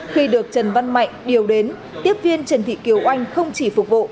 khi được trần văn mạnh điều đến tiếp viên trần thị kiều oanh không chỉ phục vụ